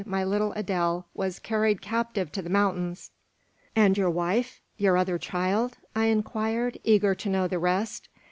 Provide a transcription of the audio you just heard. my little Adele, was carried captive to the mountains!" "And your wife? your other child?" I inquired, eager to know the rest.